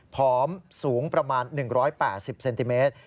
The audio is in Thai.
ผอมสูงประมาณ๑๘๐เซนติเมตร